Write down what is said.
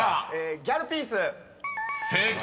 「ギャルピース」［正解！